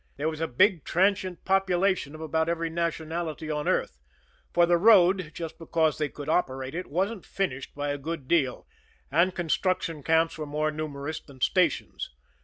There was still a big transient population of about every nationality on earth, for the road, just because they could operate it, wasn't finished by a good deal, and construction camps were more numerous than stations.